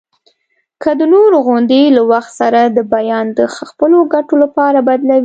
که د نورو غوندي له وخت سره د بیان د خپلو ګټو لپاره بدلوي.